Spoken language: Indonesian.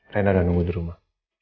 reina udah nunggu di rumah